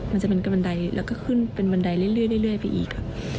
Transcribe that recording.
มันจะเป็นกระบันไดแล้วก็ขึ้นเป็นบันไดเรื่อยไปอีก